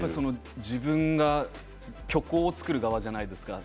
自分が曲を作る側じゃないですか。